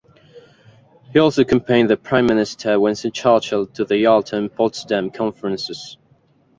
He also accompanied the Prime Minister Winston Churchill to the Yalta and Potsdam Conferences.